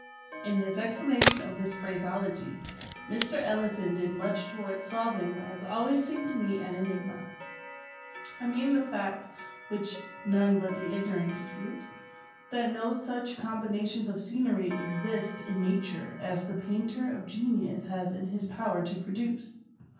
In his explanation of this phraseology, Mr. Ellison did much towards solving what has always seemed to me an enigma. I mean the fact (which none but the ignorant dispute) that no such combinations of scenery exist in Nature as the painter of genius has in his power to produce.